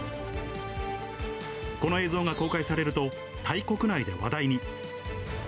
この映像が公開されると、タイ国内で話題に。